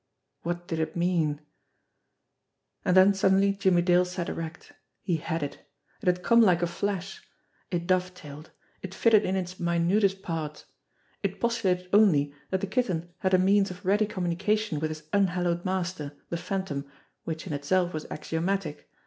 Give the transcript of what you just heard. What did it mean ? And then suddenly Jimmie Dale sat erect. He had it ! It had come like a flash. It dovetailed ; it fitted in its minutest part. It postulated only that the Kitten had a means of ready communication with his unhallowed master, the Phan tom, which in itself was axiomatic.